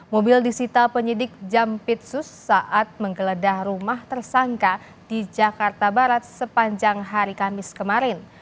mobil disita penyidik jampitsus saat menggeledah rumah tersangka di jakarta barat sepanjang hari kamis kemarin